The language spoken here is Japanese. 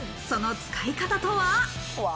その使い方とは？